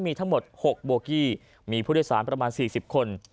มีทั้งหมดหกโบรกี้มีผู้โดยสารประมาณสี่สิบคน